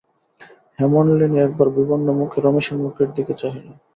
হেমনলিনী একবার বিবর্ণমুখে রমেশের মুখের দিকে চাহিল।